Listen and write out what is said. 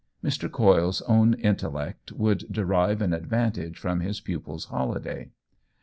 Mr. Coyle's own in tellect would derive an advantage from his pupil's holiday.